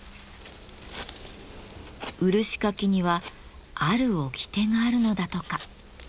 漆かきにはある掟があるのだとか。